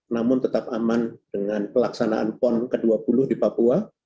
namun tetap aman dengan pelaksanaan pon ke dua puluh di papua